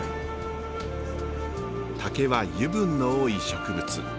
竹は油分の多い植物。